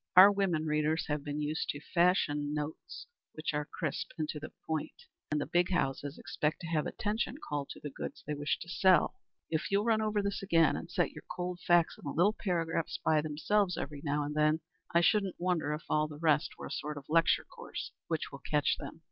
Our women readers have been used to fashion notes which are crisp and to the point, and the big houses expect to have attention called to the goods they wish to sell. If you'll run over this again and set your cold facts in little paragraphs by themselves every now and then, I shouldn't wonder if the rest were a sort of lecture course which will catch them.